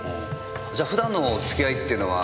じゃ普段のお付き合いっていうのは？